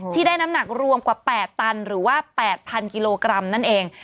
ที่ได้น้ำหนักรวมกว่า๘ตันหรือว่า๘๐๐กิโลกรัมนั่นเอง